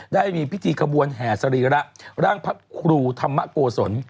ได้มีพิธีขบวนแห่สรีระร่างพระครูธรรมโกศล